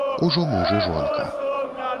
Ужо муж і жонка.